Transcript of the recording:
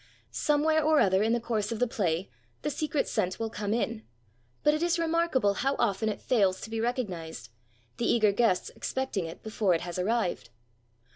Somewhere or other in the course of the play the secret scent will come in, but it is remarkable how often it fails to be recognized, the eager guests expecting it before it has arrived.